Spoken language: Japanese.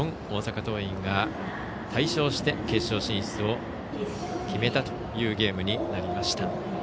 大阪桐蔭が大勝して決勝進出を決めたというゲームになりました。